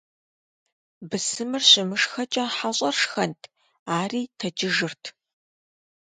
Бысымыр щымышхэкӀэ, хьэщӀэр шхэнт - ари тэджыжырт.